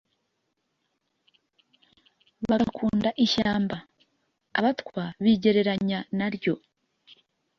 bagakunda ishyamba, abatwa bigereranya na ryo.